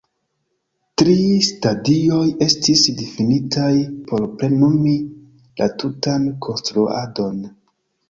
Tri stadioj estis difinitaj por plenumi la tutan konstruadon.